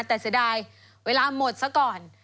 แต่เสียดายเวลาหมดซะก่อน